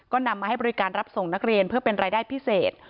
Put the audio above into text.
ก็นำมาให้บริการรับส่งนักเรียนเพื่อเป็นรายได้พิเศษ